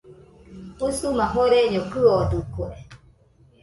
Usuma joreño kɨodɨkue.